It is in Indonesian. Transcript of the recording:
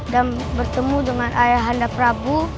dan bertemu dengan ayah anda prabu